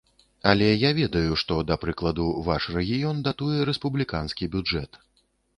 Але я ведаю, што, да прыкладу, ваш рэгіён датуе рэспубліканскі бюджэт.